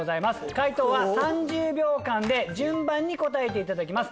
解答は３０秒間で順番に答えていただきます。